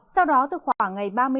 sau đó từ khoảng ngày ba mươi một